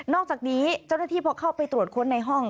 อกจากนี้เจ้าหน้าที่พอเข้าไปตรวจค้นในห้อง